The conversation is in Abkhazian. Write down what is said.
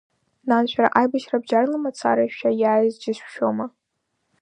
Нан шәара аибашьра бџьарла мацара шәаиааиз џьышәшьома!